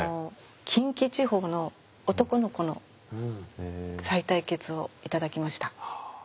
近畿地方の男の子のさい帯血を頂きました。